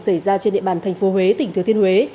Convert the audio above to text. xảy ra trên địa bàn thành phố huế tỉnh thừa thiên huế